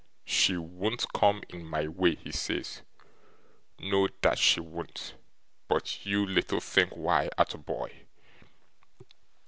She won't come in MY way, he says. No, that she won't, but you little think why, Arthur boy!